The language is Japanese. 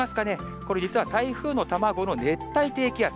これ、実は台風の卵の熱帯低気圧。